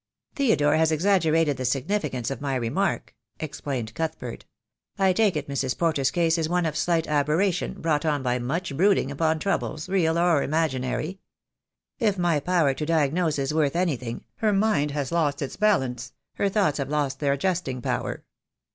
"Theodore has exaggerated the significance of my re mark," explained Cuthbert. "I take it Mrs. Porter's case is one of slight aberration brought on by much brooding upon troubles, real or imaginary. If my power to diagnose is worth anything, her mind has lost its balance, her thoughts have lost their adjusting power.